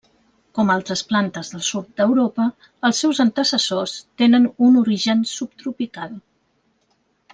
Com altres plantes del sud d'Europa els seus antecessors tenen un origen subtropical.